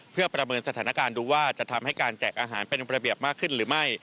เพื่อประเมินสถานการณ์ดูว่าจะทำให้การแจกอาหารเป็นระเบียบมากขึ้นหรือไม่